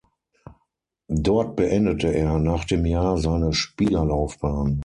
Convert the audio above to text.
Dort beendete er nach dem Jahr seine Spielerlaufbahn.